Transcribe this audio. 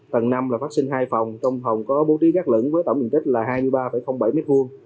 tầng năm là phát sinh hai phòng trong phòng có bố trí gác lửng với tổng diện tích là hai mươi ba bảy m hai